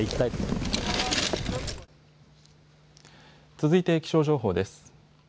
続いて気象情報です。